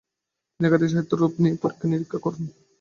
তিনি একাধিক সাহিত্যিক রূপ নিয়ে পরীক্ষানিরীক্ষা করেন।